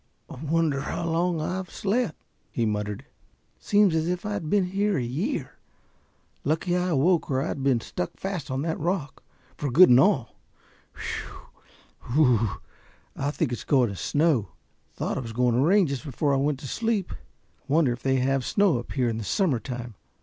"Wonder how long I've slept," he muttered. "Seems as if I had been here a year. Lucky I awoke or I'd been stuck fast on that rock, for good and all. Whew! B r r r! I think it's going to snow. Thought it was going to rain just before I went to sleep. Wonder if they have snow up here in the summer time.